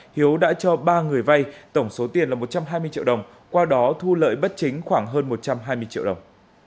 hiếu đã cho ba người vay tổng số tiền là một trăm hai mươi triệu đồng qua đó thu lợi bất chính khoảng hơn một trăm hai mươi triệu đồng